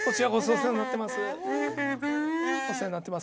お世話になってます。